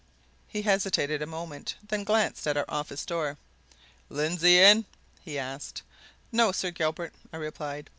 He hesitated a moment, and then glanced at our office door. "Lindsey in?" he asked. "No, Sir Gilbert," I replied.